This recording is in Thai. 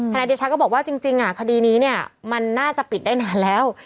นายเดชาก็บอกว่าจริงคดีนี้เนี่ยมันน่าจะปิดได้นานแล้ว